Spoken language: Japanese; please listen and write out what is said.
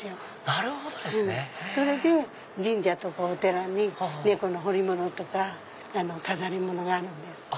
それで神社とかお寺に猫の彫り物とか飾り物があるんです。